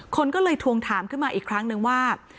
คนก็เลยทวงถามขึ้นมาอีกครั้งนึงว่า